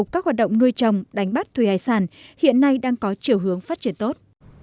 ra hoạt động nuôi trồng đánh bắt thùy hải sản hiện nay đang có chiều hướng phát triển tốt